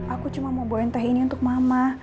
aku cuma mau buang teh ini untuk mama